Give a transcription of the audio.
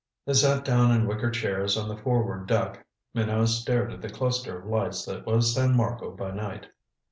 They sat down in wicker chairs on the forward deck. Minot stared at the cluster of lights that was San Marco by night.